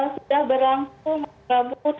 sudah berlangsung mbak anissa